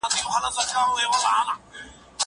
زه پرون ونې ته اوبه ورکړې!!